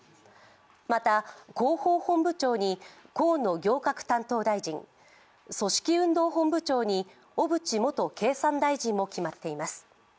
また、広報本部長に河野行革担当大臣、組織運動本部長に小渕元経産大臣も決まっています。